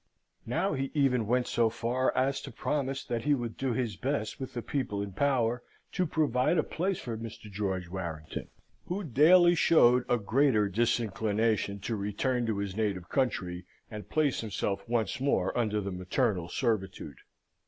Now he even went so far as to promise that he would do his best with the people in power to provide a place for Mr. George Warrington, who daily showed a greater disinclination to return to his native country, and place himself once more under the maternal servitude.